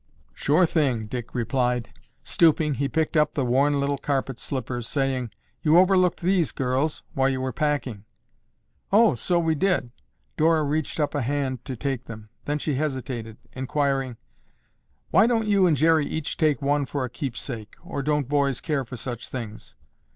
"Sure thing!" Dick replied. Stooping, he picked up the worn little carpet slippers, saying, "You overlooked these, girls, while you were packing." "Oh, so we did." Dora reached up a hand to take them, then she hesitated, inquiring, "Why don't you and Jerry each take one for a keepsake, or don't boys care for such things?"